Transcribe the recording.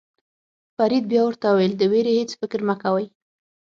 فرید بیا ورته وویل د وېرې هېڅ فکر مه کوئ.